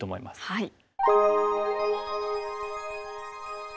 はい。